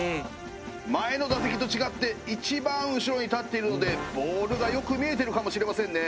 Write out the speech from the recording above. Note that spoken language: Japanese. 前の打席と違って一番後ろに立っているのでボールがよく見えてるかもしれませんね